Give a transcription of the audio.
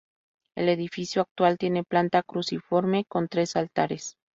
El edificio actual tiene planta cruciforme con tres altares.